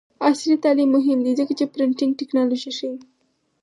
عصري تعلیم مهم دی ځکه چې د پرنټینګ ټیکنالوژي ښيي.